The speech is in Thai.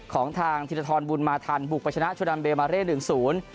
ของทางธิริษฐรบุญมาธันบุกประชนะชวนัมเบลมาเรศหนึ่งศูนย์